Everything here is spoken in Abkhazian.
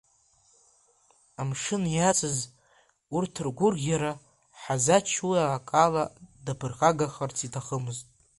Амшын иацыз урҭ ргәырӷьара Ҳазач уи акала даԥырхагахарц иҭахымызт.